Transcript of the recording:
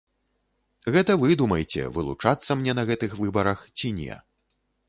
Гэта вы думайце, вылучацца мне на гэтых выбарах ці не.